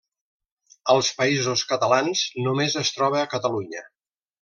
Als Països Catalans només es troba a Catalunya.